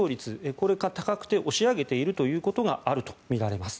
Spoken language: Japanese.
これが高くて押し上げているということがあるとみられます。